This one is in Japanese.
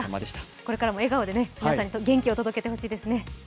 これからも笑顔で皆さんに元気を届けて欲しいですね。